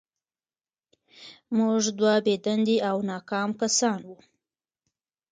موږ دوه بې دندې او ناکام کسان وو